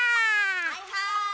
・はいはい！